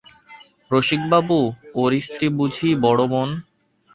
– রসিকবাবু, ওঁর স্ত্রীই বুঝি বড়ো বোন?